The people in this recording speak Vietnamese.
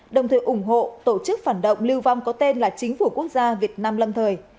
đồng thời ủng hộ tổ chức phản động lưu vong có tên là chính phủ quốc gia việt nam lâm thời